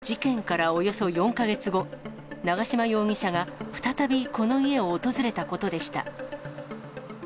逮捕のきっかけは、事件からおよそ４か月後、永嶋容疑者が再びこの家を訪れたことでした。